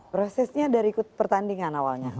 prosesnya dari ikut pertandingan awalnya